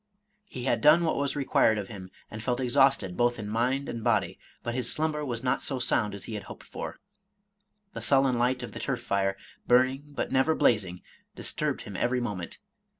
He had done what was required of him, and felt exhausted both in mind and body ; but his slumber was not so sound as he had hoped for. The sullen light of the turf fire, burning but never blazing, disturbed him every moment.